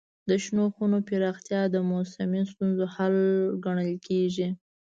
د شنو خونو پراختیا د موسمي ستونزو حل ګڼل کېږي.